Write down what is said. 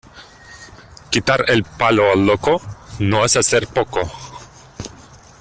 Quitar el palo al loco, no es hacer poco.